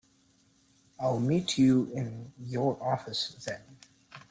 I'll meet you in your office then.